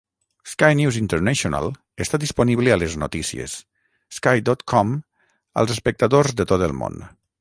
Sky News International està disponible a les notícies. Sky dot com als espectadors de tot el món.